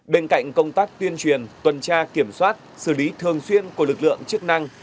bên cạnh công tác tuyên truyền tuần tra kiểm soát xử lý thường xuyên của lực lượng chức năng